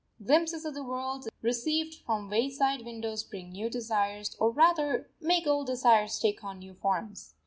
Glimpses of the world received from wayside windows bring new desires, or rather, make old desires take on new forms.